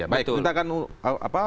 lanjutkan setelah jeda jeda ini kita akan